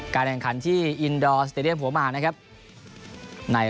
การแข่งขันที่อินดอสเตอเรียมหัวมา